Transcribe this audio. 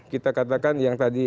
kita katakan yang tadi